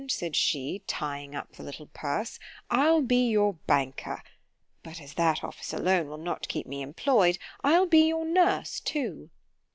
said she, tying up the little purse—I'll be your banker—but as that office alone will not keep me employ'd, I'll be your nurse too.